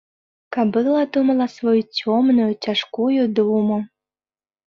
Кабыла думала сваю цёмную, цяжкую думу.